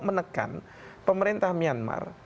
menekan pemerintah myanmar